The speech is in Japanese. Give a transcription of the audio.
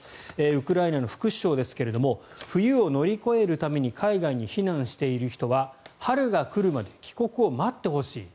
ウクライナの副首相ですが冬を乗り越えるために海外に避難している人は春が来るまで帰国を待ってほしい。